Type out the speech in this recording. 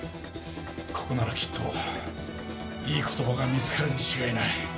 ここならきっといいことばが見つかるに違いない。